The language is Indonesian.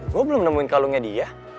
gue belum nemuin kalungnya dia